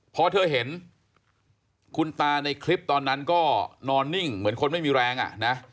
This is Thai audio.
พอเธอเห็นคุณตาในคลิปตอนนั้นก็นอนนิ่งเหมือนคนไม่มีแรงอ่ะนะ